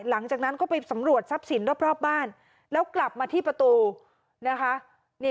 หลังจากนั้นก็ไปสำรวจทรัพย์สินรอบบ้านแล้วกลับมาที่ประตูนะคะ